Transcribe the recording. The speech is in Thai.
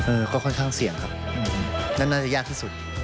ก็ค่อนข้างเสี่ยงครับนั่นน่าจะยากที่สุด